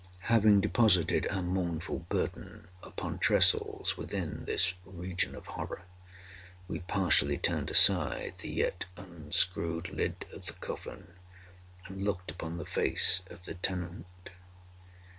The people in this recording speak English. Having deposited our mournful burden upon tressels within this region of horror, we partially turned aside the yet unscrewed lid of the coffin, and looked upon the face of the tenant.